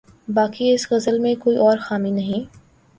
باقی اس غزل میں کوئی اور خامی نہیں۔